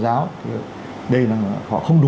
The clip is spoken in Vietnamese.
tôn giáo thì đây là họ không đủ